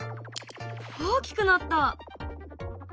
大きくなった。